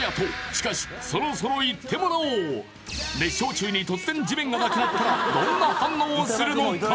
しかしそろそろいってもらおう熱唱中に突然地面がなくなったらどんな反応をするのか？